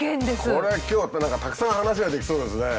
これは今日何かたくさん話ができそうですね。